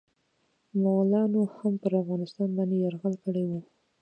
مغولانو هم پرافغانستان باندي يرغل کړی و.